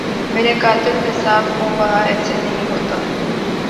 مرے قاتل حساب خوں بہا ایسے نہیں ہوتا